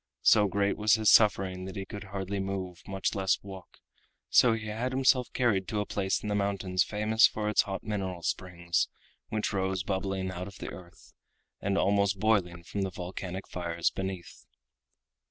So great was his suffering that he could hardly move, much less walk, so he had himself carried to a place in the mountains famous for its hot mineral springs, which rose bubbling out of the earth, and almost boiling from the volcanic fires beneath.